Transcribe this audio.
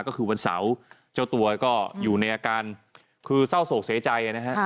ก็คือวันเสาร์เจ้าตัวก็อยู่ในอาการคือเศร้าโศกเสียใจนะฮะ